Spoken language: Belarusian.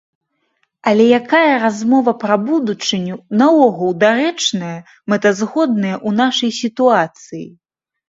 Але якая размова пра будучыню наогул дарэчная, мэтазгодная ў нашай сітуацыі?